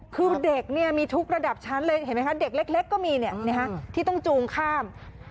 คือเด็กมีทุกระดับชั้นเลยเห็นไหมคะเด็กเล็กก็มีที่ต้องจูงข้าม